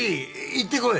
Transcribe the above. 行ってこい。